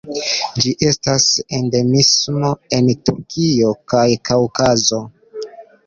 Ĝi estas endemismo en Turkio kaj Kaŭkazo.